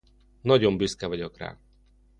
Nagyon büszke vagyok rá.